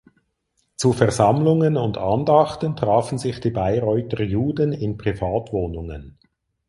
Zu Versammlungen und Andachten trafen sich die Bayreuther Juden in Privatwohnungen.